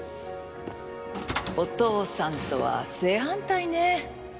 お父さんとは正反対ね。